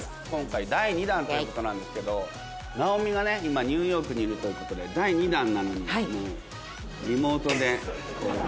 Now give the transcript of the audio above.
今回、第２弾ということなんですけど、直美はね、今、ニューヨークにいるということで、第２弾なのに、もうリモートで。